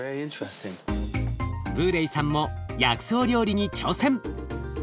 ブーレイさんも薬草料理に挑戦！